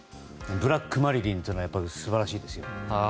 ブラック・マリリンは素晴らしいですよね。